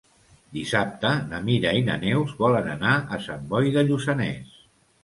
Dissabte na Mira i na Neus volen anar a Sant Boi de Lluçanès.